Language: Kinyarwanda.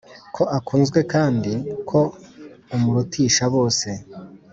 ko akunzwe kandi ko umurutisha bose,…